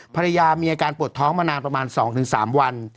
ภรรยามีอาการปวดท้องมานานประมาณ๒๓วัน